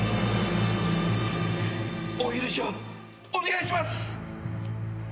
お許しをお願いします！